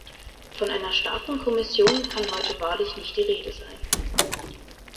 Von einer starken Kommission kann heute wahrlich nicht die Rede sein.